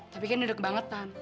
tapi kan duduk banget kan